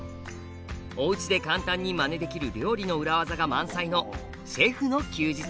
おうちで簡単にまねできる料理の裏技が満載の「シェフの休日」。